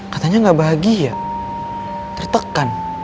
katanya gak bahagia tertekan